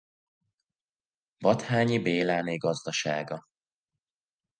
Batthyányi Béláné gazdasága.